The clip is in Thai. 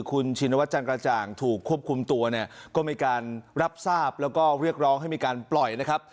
คุณชินวัจจันกระจ่างถูกควบคุมตัวเนี่ยก็มีการรับทราบแล้วก็เรียกร้องให้มีการปล่อยนะครับ